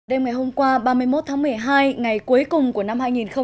đêm ngày hôm qua ba mươi một tháng một mươi hai ngày cuối cùng của năm hai nghìn hai mươi